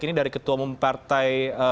ini dari ketua umum partai